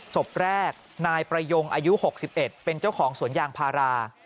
ศพแรกนายประยงอายุ๖๑เป็นเจ้าของสวนยางพารา